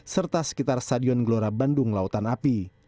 serta sekitar stadion gelora bandung lautan api